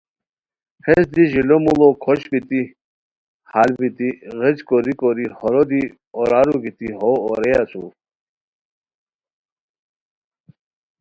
ہیس دی ژیلو موڑو کھوشت بیتی ہال بیتی غیچ کوری کوری ہورو دی اورارو گیتی ہو اوریئے اسور